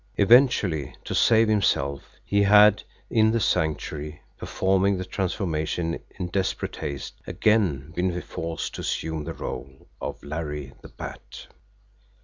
Eventually, to save himself, he had, in the Sanctuary, performing the transformation in desperate haste, again been forced to assume the role of Larry the Bat.